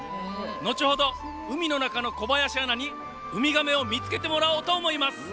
後ほど、海の中の小林アナにウミガメを見つけてもらおうと思います。